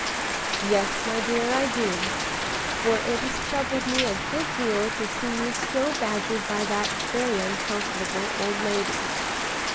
"Yes, my dear, I do, for it has troubled me a good deal to see you so badgered by that very uncomfortable old lady.